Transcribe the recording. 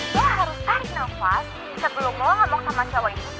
lo harus tarik nafas sebelum lo ngomong sama cowok itu